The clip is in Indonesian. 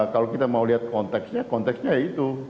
kalau kita mau lihat konteksnya konteksnya ya itu